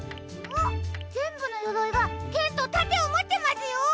ぜんぶのよろいがけんとたてをもってますよ！